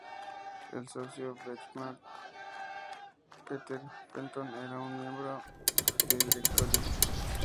El socio de Benchmark Peter Fenton era un miembro de directorio.